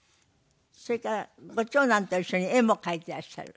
それからご長男と一緒に絵も描いていらっしゃる？